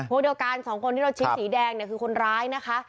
เดียวกันสองคนที่เราชี้สีแดงเนี่ยคือคนร้ายนะคะ